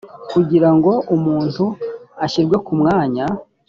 kugira ngo umuntu ashyirwe ku mwanya